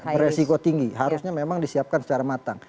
beresiko tinggi harusnya memang disiapkan secara matang